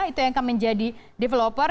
itu yang akan menjadi developer